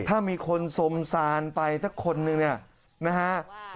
ถ้ามีคนสมสารไปแต่คนหนึ่งเนี่ยนะฮะ